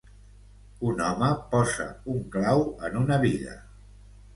Un home posa un clau en una biga.